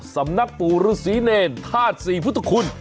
สำนักปู่รุษีเนรท่านสี่พุทธคุณ